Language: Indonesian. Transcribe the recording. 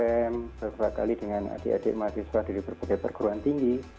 saya beberapa kali dengan adik adik mahasiswa dari berbagai perguruan tinggi